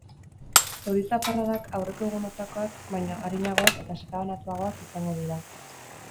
Euri-zaparradak aurreko egunetakoak baina arinagoak eta sakabanatuagoak izango dira.